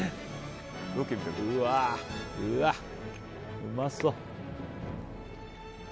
うわ、うまそう。